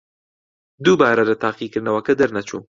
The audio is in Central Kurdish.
دووبارە لە تاقیکردنەوەکە دەرنەچوو.